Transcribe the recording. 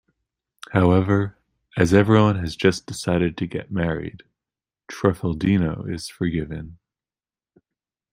However, as everyone has just decided to get married, Truffaldino is forgiven.